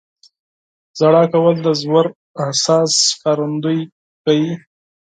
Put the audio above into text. • ژړا کول د ژور احساس ښکارندویي کوي.